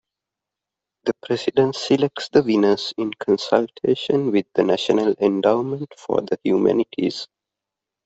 The President selects the winners in consultation with the National Endowment for the Humanities.